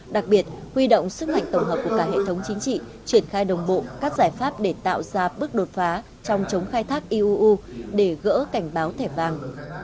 đặc biệt huy động sức mạnh tổng hợp của cả hệ thống chính trị triển khai đồng bộ các giải pháp để tạo ra bước đột phá trong chống khai thác iuu để gỡ cảnh báo thẻ vàng